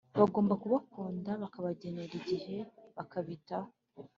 bagomba kubakunda bakabagenera igihe bakabitaho